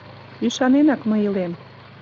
Ӱшаненак мый илем;